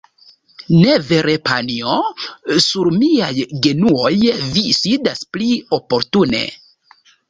Ne vere panjo? Sur miaj genuoj vi sidas pli oportune.